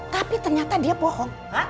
tapi ternyata dia bohong